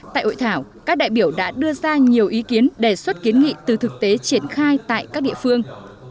tại hội thảo các đại biểu đã đưa ra nhiều ý kiến đề xuất kiến nghị từ thực tế triển khai tại các địa phương